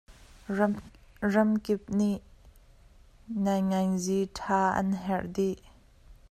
Ram kip nih naingnganzi ṭha an herh dih.